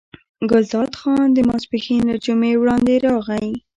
ګلداد خان د ماسپښین له جمعې وړاندې راغی.